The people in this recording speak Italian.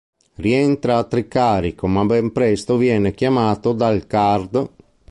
Rientra a Tricarico, ma ben presto viene chiamato dal card.